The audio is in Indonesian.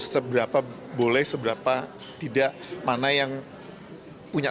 seberapa boleh seberapa tidak mana yang punya